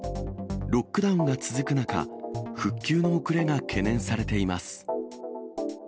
ロックダウンが続く中、復旧の遅れが懸念されています。